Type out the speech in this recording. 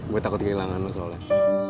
gue takut kehilangan masya allah